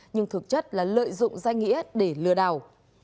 nhưng thực chất là lợi dụng danh nghĩa để lừa đảo